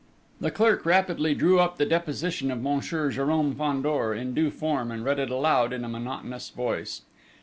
The clerk rapidly drew up the deposition of Monsieur Jérôme Fandor, in due form, and read it aloud in a monotonous voice.